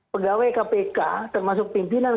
pegawai kpk termasuk pimpinan